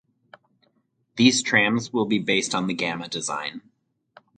These trams will be based on the Gamma design.